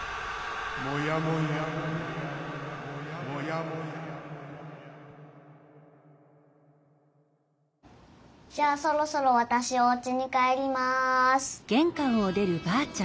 モヤモヤモヤモヤじゃあそろそろわたしおうちに帰ります。